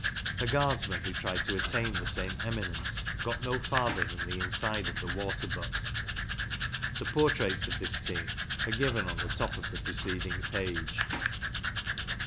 A Guardsman who tried to attain the same eminence got no farther than the inside of the water butt. The portraits of this team are given on the top of the preceding page.